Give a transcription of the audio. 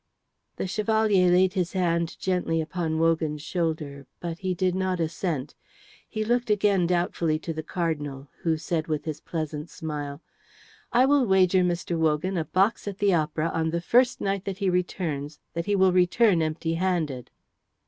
The Chevalier laid his hand gently upon Wogan's shoulder, but he did not assent. He looked again doubtfully to the Cardinal, who said with his pleasant smile, "I will wager Mr. Wogan a box at the Opera on the first night that he returns, that he will return empty handed."